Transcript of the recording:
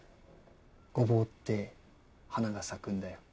ゴボウって花が咲くんだよ。